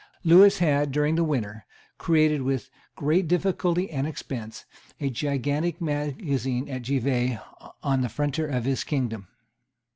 Lewis had, during the winter, created with great difficulty and expense a gigantic magazine at Givet on the frontier of his kingdom.